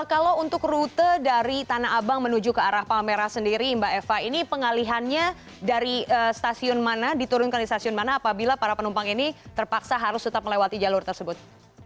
kalau untuk rute dari tanah abang menuju ke arah palmera sendiri mbak eva ini pengalihannya dari stasiun mana diturunkan di stasiun mana apabila para penumpang ini terpaksa harus tetap melewati jalur tersebut